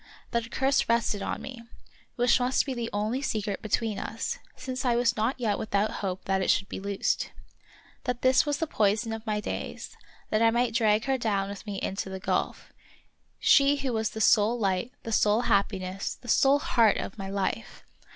That a curse rested on me, which must be the only secret be tween us, since I was not yet without hope that it should be loosed. That this was the poison of my days; that I might drag her down with me into the gulf — she who was the sole light, the sole happiness, the sole heart of my life.